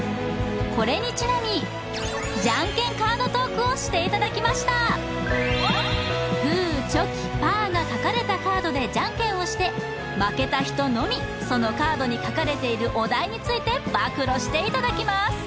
これにちなみをしていただきましたグーチョキパーが描かれたカードでじゃんけんをして負けた人のみそのカードに書かれているお題について暴露していただきます